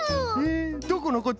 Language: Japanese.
えどこのこと？